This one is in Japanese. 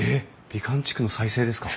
美観地区の再生ですか？